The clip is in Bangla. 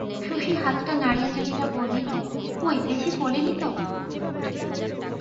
শশী হাতটা নাড়িয়া চাড়িয়া বলিল, কই, বেশি ফোলেনি তো?